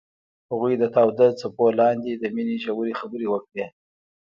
هغوی د تاوده څپو لاندې د مینې ژورې خبرې وکړې.